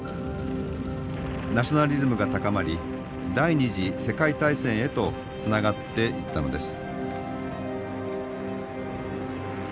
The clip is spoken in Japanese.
ナショナリズムが高まり第２次世界大戦へとつながっていったのです。